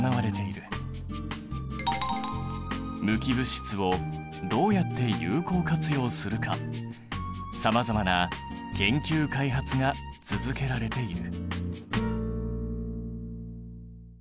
無機物質をどうやって有効活用するかさまざまな研究・開発が続けられている。